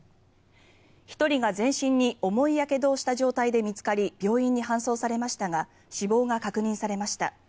１人が、全身に重いやけどをした状態で見つかり病院に搬送されましたが死亡が確認されました。